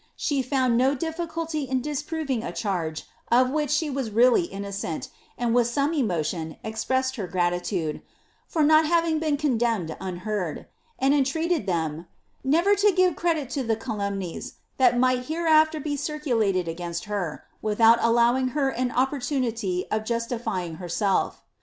She found no difficulty in disproving a charge of which she was really iimocent, and with some emotion expressed lier gratitude ^for not having been condemned unheard, and entreated Uiero, ^ never to give crmJit to the calumnies that might hereafter be circulated against her, without allowing her an opportunity of justifying herself."